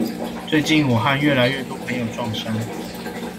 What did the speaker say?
最近，我和越來越多朋友撞衫